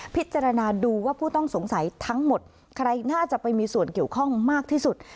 พิจารณาดูว่าผู้ต้องสงสัยทั้งหมดใครน่าจะไปมีส่วนเกี่ยวข้องมากที่สุด